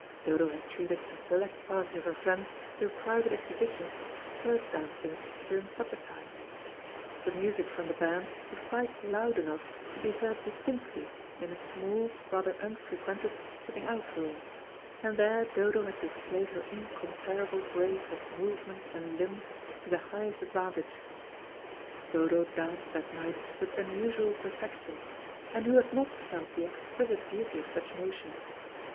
Dodo had treated a select party of her friends to a private exhibition of skirt dancing during supper time. The music from the band was quite loud enough to be heard distinctly in a small, rather unfrequented sitting out room, and there Dodo had displayed her incomparable grace of movement and limb to the highest advantage. Dodo danced that night with unusual perfection, and who has not felt the exquisite beauty of such motion?